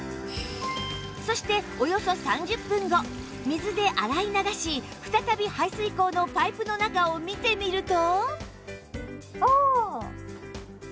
そしておよそ３０分後水で洗い流し再び排水口のパイプの中を見てみると